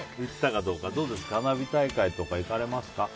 どうですか、花火大会とか行かれますか？